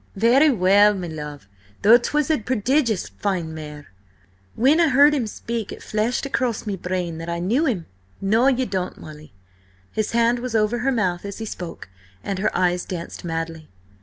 "Very well, me love, though 'twas a prodigious fine mare–When I heard him speak, it flashed across me brain that I knew him–no, ye don't, Molly!" His hand was over her mouth as he spoke, and her eyes danced madly.